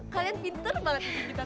kalian pintar banget di situ saja